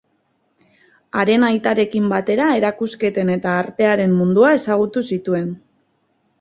Haren aitarekin batera erakusketen eta artearen mundua ezagutu zituen.